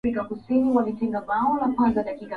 Mwili kukosa maji